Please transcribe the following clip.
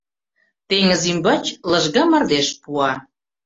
Теҥыз ӱмбач лыжга мардеж пуа.